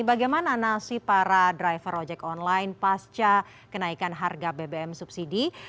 bagaimana nasib para driver ojek online pasca kenaikan harga bbm subsidi